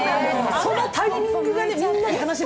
そのタイミングがね！